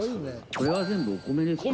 これは全部お米ですか？